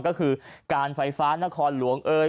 ก็คือการไฟฟ้านครหลวงเอ่ย